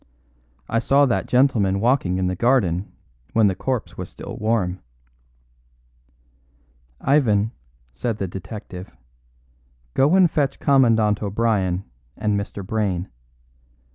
I saw that gentleman walking in the garden when the corpse was still warm." "Ivan," said the detective, "go and fetch Commandant O'Brien and Mr. Brayne.